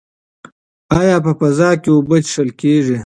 ایا په فضا کې اوبه څښل کیږي؟